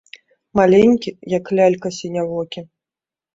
Маленькі, як лялька, сінявокі.